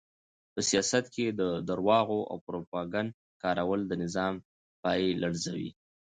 په سیاست کې د درواغو او پروپاګند کارول د نظام پایه لړزوي.